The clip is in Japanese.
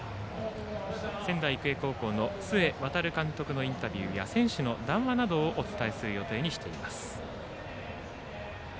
仙台育英高校の須江航監督のインタビューや選手の談話などをお伝えする予定にしています。